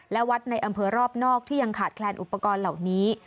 และวัดในอำเภอรอบนอกที่ยังขาดแคลนอุปกรณ์เหล่านี้